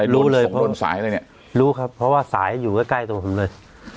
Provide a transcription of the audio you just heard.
รู้เลยรู้ครับเพราะว่าสายอยู่ใกล้ตัวผมเลย